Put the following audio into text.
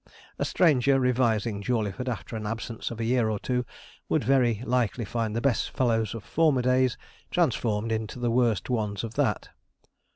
A stranger revising Jawleyford after an absence of a year or two, would very likely find the best fellows of former days transformed into the worst ones of that.